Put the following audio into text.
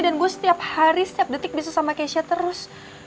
dan gue setiap hari setiap detik bisa sama kesha terus